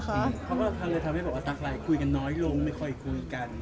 เขาก็เลยทำให้แบบว่าตั๊กไลน์คุยกันน้อยลงไม่ค่อยคุยกัน